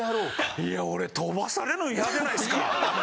いや俺飛ばされるの嫌じゃないですか。